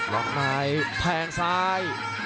ล๊อคไนท์แทงซ้าย